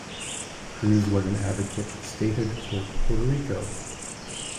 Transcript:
Cruz was an advocate of statehood for Puerto Rico.